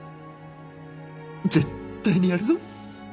絶対にやるぞ。